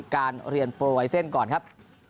การเรียนโปรไวเซ็นต์ก่อนครับ